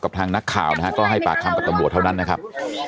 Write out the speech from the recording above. ทางนักข่าวนะฮะก็ให้ปากคำกับตำรวจเท่านั้นนะครับ